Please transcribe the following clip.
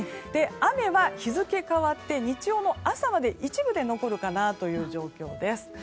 雨は日付が変わって日曜の朝まで一部で残るかなという状況です。